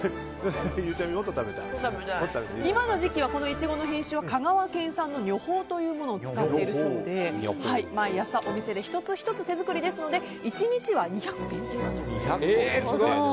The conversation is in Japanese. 今の時期のイチゴの品種は香川県産の女峰というものを使っているそうで毎朝お店で１つ１つ、手包みで１日２００個限定ということです。